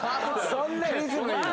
そんなリズムいいの？